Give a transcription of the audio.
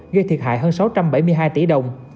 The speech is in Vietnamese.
gây thiệt hại hơn sáu trăm bảy mươi hai tỷ đồng